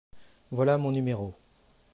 Voilà mon numéro.